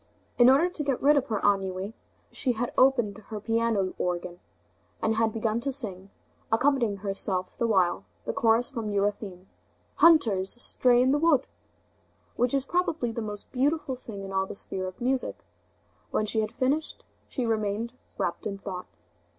In order to get rid of her ennui, she had opened her piano organ, and had begun to sing, accompanying herself the while, the chorus from Euryanthe: "Hunters astray in the wood!" which is probably the most beautiful thing in all the sphere of music. When she had finished, she remained wrapped in thought.